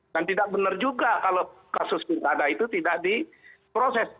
dan tidak benar juga kalau kasus pilkada itu tidak diproses